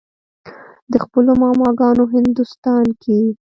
د خپلو ماما ګانو هندوستان کښې